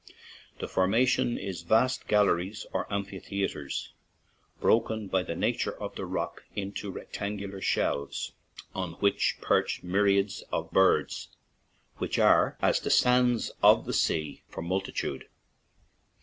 The formation is vast galleries or 23 ON AN IRISH JAUNTING CAR amphitheatres, broken by the nature of the rock into rectangular shelves, on which perch myriads of birds, which are as the sands of the sea for multitude.